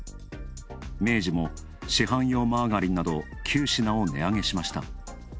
明治も市販用マーガリンなど９品を値上げしました。